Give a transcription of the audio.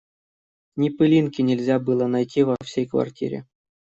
Ни пылинки нельзя было найти во всей квартире.